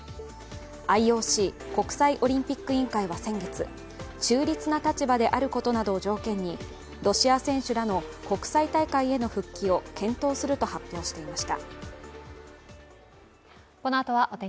ＩＯＣ＝国際オリンピック委員会は先月、中立な立場であることなどを条件にロシア選手らの国際大会への復帰を検討すると発表していました。